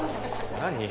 何？